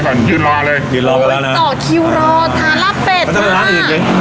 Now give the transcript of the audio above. บ้านอื่นอีกเงียบไง